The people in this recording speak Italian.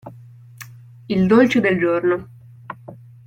Il dolce del giorno.